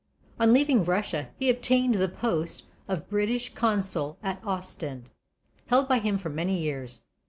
On leaving Russia, he obtained the post of British Consul at Ostend, held by him for many years.